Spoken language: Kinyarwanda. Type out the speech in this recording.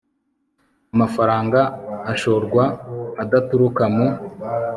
amafaranga ashorwa adaturuka mu